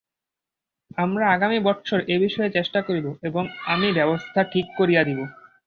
আমরা আগামী বৎসর এ বিষয়ে চেষ্টা করিব এবং আমি ব্যবস্থা ঠিক করিয়া দিব।